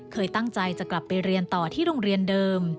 เคยตั้งใจจะกลับไปเรียนต่อที่โรงเรียนเดิม